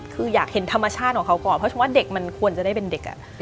คืออยากเห็นธรรมชาติของเขาก่อนเพราะฉะนั้นเด็กมันควรจะได้เป็นเด็ก